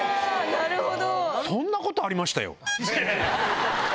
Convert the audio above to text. なるほど。